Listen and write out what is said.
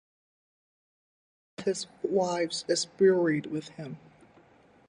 Neither of his wives is buried with him.